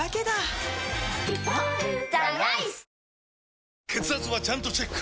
「ビオレ」血圧はちゃんとチェック！